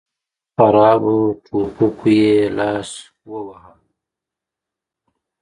په خرابو ټوپکو یې لاس وواهه.